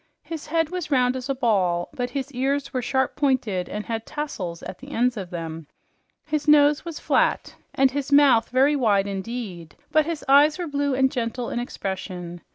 His head was round as a ball, but his ears were sharp pointed and had tassels at the ends of them. His nose was flat, and his mouth very wide indeed, but his eyes were blue and gentle in expression.